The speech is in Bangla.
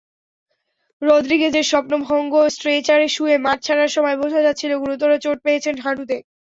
রদ্রিগেজের স্বপ্নভঙ্গস্ট্রেচারে শুয়ে মাঠ ছাড়ার সময় বোঝা যাচ্ছিল, গুরুতর চোট পেয়েছেন হাঁটুতে।